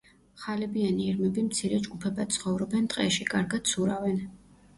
ხალებიანი ირმები მცირე ჯგუფებად ცხოვრობენ ტყეში, კარგად ცურავენ.